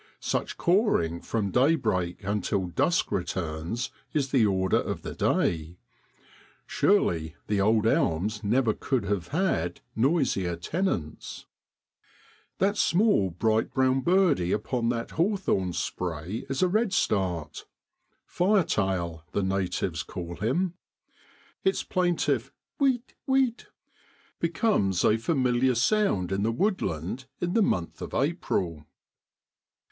Such cawing from daybreak until dusk returns is the order of the day ! surely the old elms never could have had noisier tenants ! That small bright brown birdie upon that haw thorn spray is a redstart * firetail ' the natives call him. Its plaintive wheet iuheet ! becomes a familiar sound in the woodland in the month of April.